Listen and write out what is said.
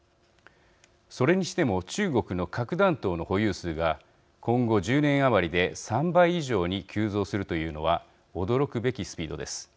それにしても中国の核弾頭の保有数が今後１０年余りで３倍以上に急増するというのは驚くべきスピードです。